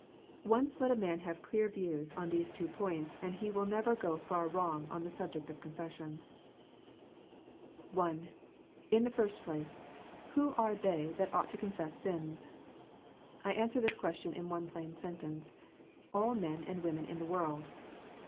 Once let a man have clear views on these two points, and he will never go far wrong on the subject of confession. 260 CONFESSION. 261 I. In the first place, Who are they that ought to confess sins? I answer this question in one plain sentence. All men and women in the world